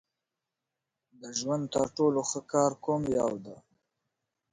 افغانستان له تنوع ډک دی.